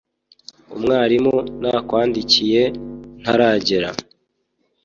umwarimu nakwandikiye ntaragera